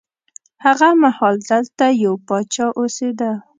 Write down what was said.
هغه مهال دلته یو پاچا اوسېده.